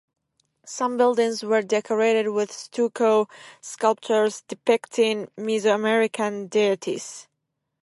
Some buildings were decorated with stucco sculptures depicting Mesoamerican deities.